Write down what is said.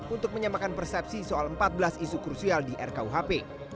untuk menyamakan persepsi soal empat belas isu krusial di rkuhp